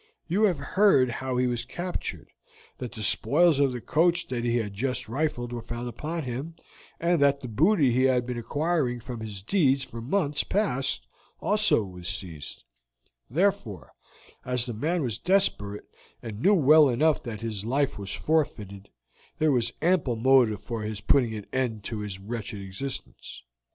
You have heard how he was captured, that the spoils of the coach that he had just rifled were found upon him, and that the booty he had been acquiring from his deeds for months past also was seized; therefore, as the man was desperate, and knew well enough that his life was forfeited, there was ample motive for his putting an end to his wretched existence.